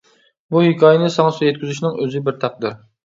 بۇ ھېكايىنى ساڭا يەتكۈزۈشنىڭ ئۆزى بىر تەقدىر.